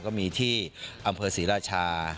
ก็มีที่อำเภอศรีราชา